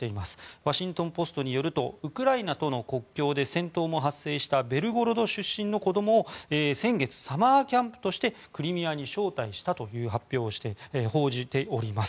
ワシントン・ポストによるとウクライナとの国境で戦闘も発生したベルゴロド出身の子どもを先月、サマーキャンプとしてクリミアに招待したという発表をして報じております。